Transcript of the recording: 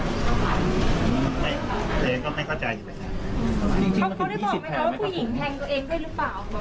เขาได้บอกไหมนะว่าผู้หญิงแทงตัวเองได้หรือเปล่า